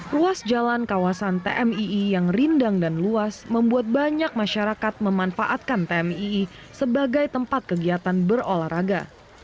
ruas jalan kawasan tmii yang rindang dan luas membuat banyak masyarakat memanfaatkan tmii sebagai tempat kegiatan berolahraga